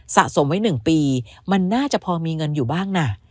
สะสมไว้๑ปีมันน่าจะพอมีเงินอยู่บ้างนะ